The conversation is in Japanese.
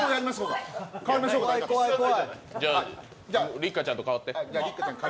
六花ちゃんと変わって。